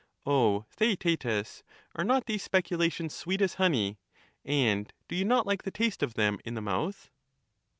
O Theaetetus, are not these speculations sweet as honey? And do you not like the taste of them in the mouth